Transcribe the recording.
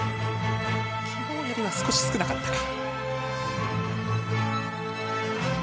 昨日より少し少なかったか。